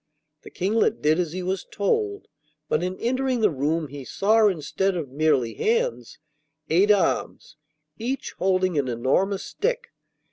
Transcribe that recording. The Kinglet did as he was told, but in entering the room he saw, instead of merely hands, eight arms, each holding an enormous stick.